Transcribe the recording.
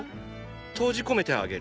閉じ込めてあげる。